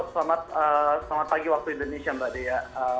selamat pagi waktu indonesia mbak dea